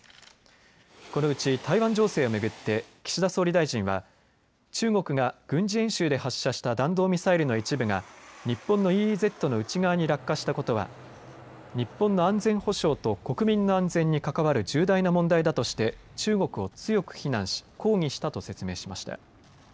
このうち台湾情勢を巡って岸田総理大臣は中国が軍事演習で発射した弾道ミサイルの一部が日本のＥＥＺの内側に落下したことは日本の安全保障と国民の安全に関わる重大な問題だとして中国を強く非難し、抗議したと説明しました。